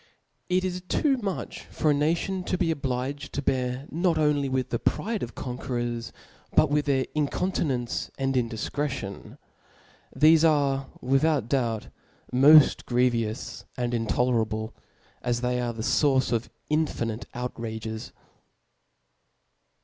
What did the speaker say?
It is too much for univcrfai a nation to be obliged to bear not only with thcHUkory. pride of conquerors, but with their incontinence and indifcretion \ thefe are, without doubt, moft grievous and intolerable, as they are the fource of infinite outrages.